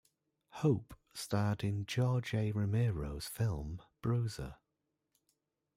Hope starred in George A. Romero's film "Bruiser".